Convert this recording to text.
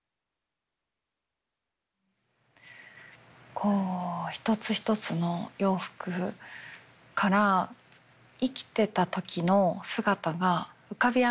こう一つ一つの洋服から生きてた時の姿が浮かび上がってくるような。